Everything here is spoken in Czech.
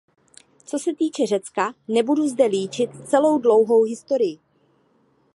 Co se týče Řecka, nebudu zde líčit celou dlouhou historii.